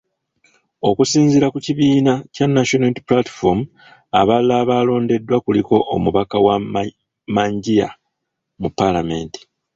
Okusinziira ku kibiina kya National Unity Platform, abalala abalondeddwa kuliko omubaka wa Manjiya mu palamenti .